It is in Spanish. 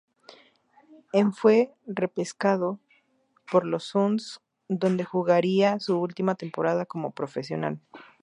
En fue repescado por los Suns, donde jugaría su última temporada como profesional.